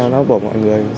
nó bỏ mọi người